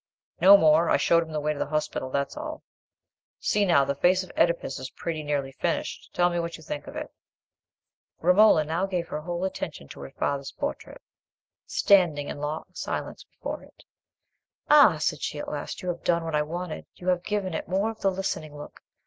"No more: I showed him the way to the hospital, that's all. See, now, the face of Oedipus is pretty nearly finished; tell me what you think of it." Romola now gave her whole attention to her father's portrait, standing in long silence before it. "Ah," she said at last, "you have done what I wanted. You have given it more of the listening look.